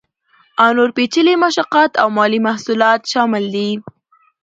او نور پیچلي مشتقات او مالي محصولات شامل دي.